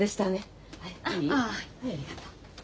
ありがとう。